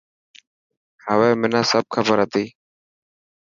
هوي منا سب کبر هتي.